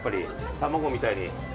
卵みたいに。